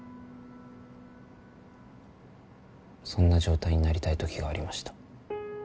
そんな状態になりたい時がありました